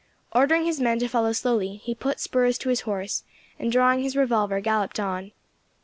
Ordering his men to follow slowly, he put spurs to his horse, and, drawing his revolver, galloped on.